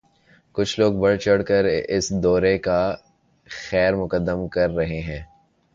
کچھ لوگ بڑھ چڑھ کر اس دورے کا خیر مقدم کر رہے ہیں۔